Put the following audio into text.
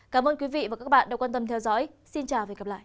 cảm ơn quý vị và các bạn đã quan tâm theo dõi xin chào và hẹn gặp lại